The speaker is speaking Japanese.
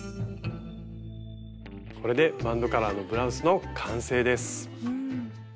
これでバンドカラーのブラウスの完成です。